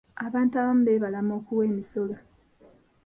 Abantu abamu beebalama okuwa emisolo